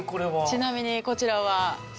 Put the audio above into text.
ちなみにこちらは。